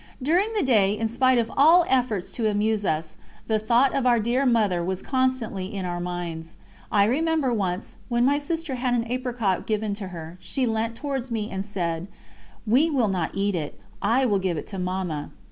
During the day, in spite of all efforts to amuse us, the thought of our dear Mother was constantly in our minds. I remember once, when my sister had an apricot given to her, she leant towards me and said: "We will not eat it, I will give it to Mamma."